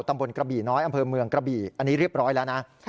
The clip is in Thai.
กระบี่น้อยอำเภอเมืองกระบี่อันนี้เรียบร้อยแล้วนะ